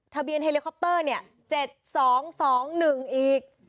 ทะเบียนเฮลิคอปเตอร์๗๒๒๑อีก